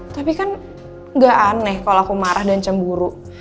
tapi kan gak aneh kalau aku marah dan cemburu